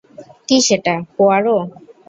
কী সেটা, পোয়ারো?